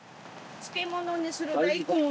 漬物にする大根。